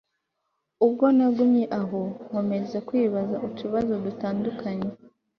ubwo nagumye aho nkomeza kwibaza utubazo dutandukanye